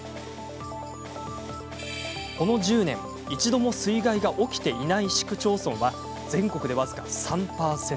この１０年、一度も水害が起きていない市区町村は全国で僅か３％。